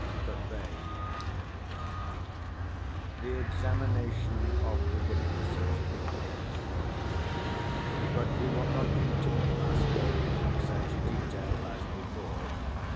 The Babe The examination of the witnesses began. But we will not continue our story in such detail as before.